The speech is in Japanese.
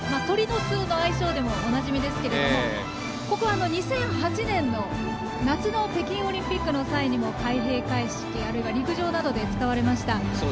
鳥の巣の愛称でもおなじみですがここは、２００８年の夏の北京オリンピックの際にも開閉会式、あるいは陸上などで使われました。